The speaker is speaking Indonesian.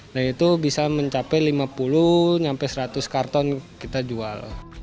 dan itu bisa mencapai lima puluh seratus karton kita jual